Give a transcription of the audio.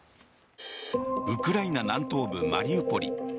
ウクライナ南東部マリウポリ。